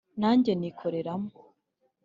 Nanjye nikoreramo